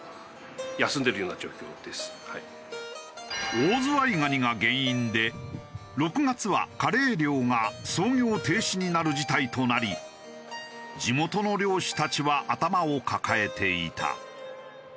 オオズワイガニが原因で６月はカレイ漁が操業停止になる事態となり地元の漁師たちは頭を抱えていた。